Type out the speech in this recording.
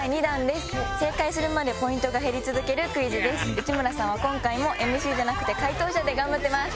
正解するまでポイントが減り続けるクイズで内村さんは今回もＭＣじゃなくて解答者で頑張ってます。